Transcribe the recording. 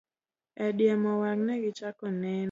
E diemo wang', ne gichako neno!